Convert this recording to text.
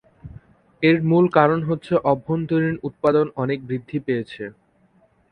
এর মূল কারণ হচ্ছে অভ্যন্তরীণ উৎপাদন অনেক বৃদ্ধি পেয়েছে।